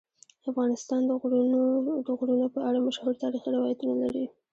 افغانستان د غرونه په اړه مشهور تاریخی روایتونه لري.